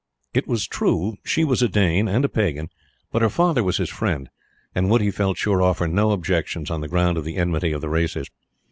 It was true she was a Dane and a pagan; but her father was his friend, and would, he felt sure, offer no objections on the ground of the enmity of the races.